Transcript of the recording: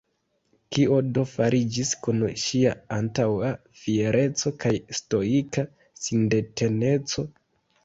Kio do fariĝis kun ŝia antaŭa fiereco kaj stoika sindeteneco?